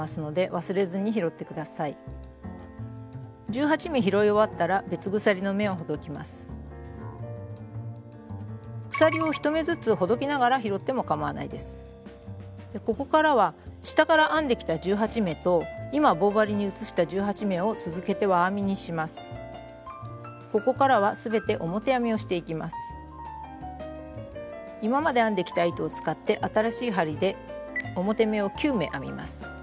今まで編んできた糸を使って新しい針で表目を９目編みます。